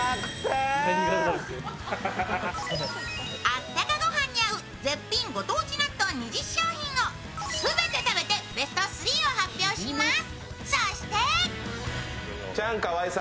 あったかご飯に合う絶品ご当地納豆２０商品を全て食べてベスト３を発表します。